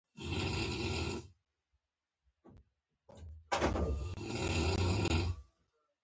تواب ور وکتل، نيکه او سرمعلم د کوټو پر کېندل شوي تهداب راګرځېدل.